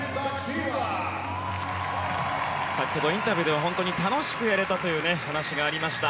先ほどのインタビューでは楽しくやれたという話がありました。